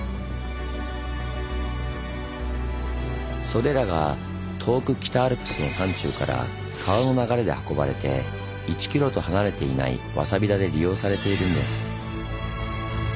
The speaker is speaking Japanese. それらが遠く北アルプスの山中から川の流れで運ばれて１ｋｍと離れていないわさび田で利用されているんです。